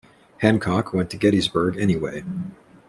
Hancock went to Gettysburg anyway.